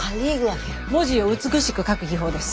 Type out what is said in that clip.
文字を美しく書く技法です。